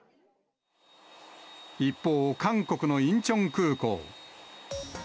一方、韓国のインチョン空港。